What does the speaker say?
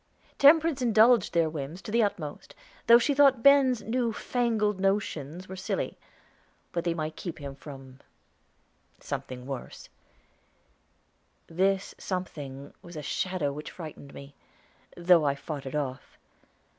Temperance indulged their whims to the utmost, though she thought Ben's new fangled notions were silly; but they might keep him from something worse. This something was a shadow which frightened me, though I fought it off.